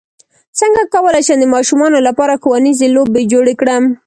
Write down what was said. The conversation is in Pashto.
څنګه کولی شم د ماشومانو لپاره ښوونیزې لوبې جوړې کړم